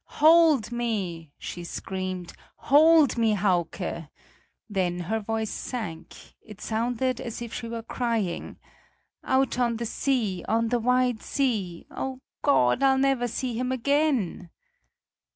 "Hold me!" she screamed; "hold me, Hauke!" Then her voice sank; it sounded, as if she were crying: "Out on the sea, on the wide sea. Oh, God, I'll never see him again!"